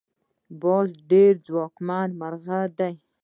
باز ډیر ځواکمن مرغه دی